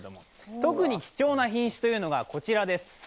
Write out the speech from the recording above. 特に貴重な品種がこちらです。